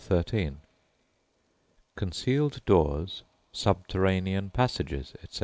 CHAPTER XIII CONCEALED DOORS, SUBTERRANEAN PASSAGES, ETC.